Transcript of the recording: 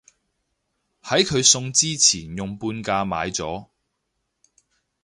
喺佢送之前用半價買咗